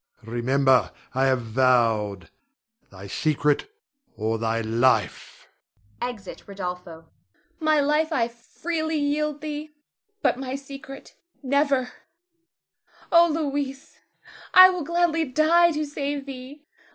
Remember, I have vowed, thy secret or thy life! [Exit Rodolpho. Theresa. My life I freely yield thee, but my secret never. Oh, Louis, I will gladly die to save thee.